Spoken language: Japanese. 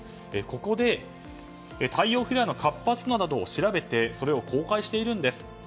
ここで太陽フレアの活発度などを調べてそれを公開しているんです。